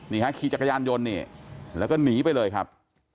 นี่ฮะขี่จักรยานยนต์นี่แล้วก็หนีไปเลยครับ